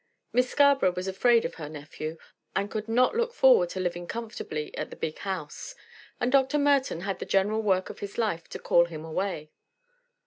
Miss Scarborough was afraid of her nephew, and could not look forward to living comfortably at the big house; and Dr. Merton had the general work of his life to call him away.